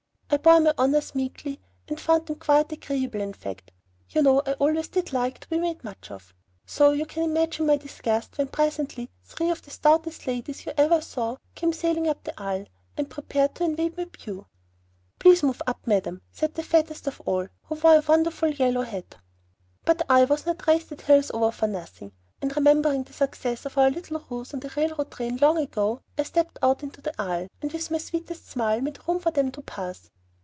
I bore my honors meekly, and found them quite agreeable, in fact, you know I always did like to be made much of, so you can imagine my disgust when presently three of the stoutest ladies you ever saw came sailing up the aisle, and prepared to invade my pew. "Please move up, Madam," said the fattest of all, who wore a wonderful yellow hat. But I was not "raised" at Hillsover for nothing, and remembering the success of our little ruse on the railroad train long ago, I stepped out into the aisle, and with my sweetest smile made room for them to pass.